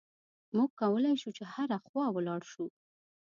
موږ کولای شو چې هره خوا ولاړ شو.